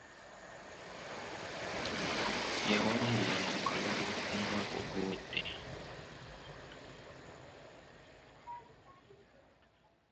Yawangulwa mu kalulu omwaka oguwedde.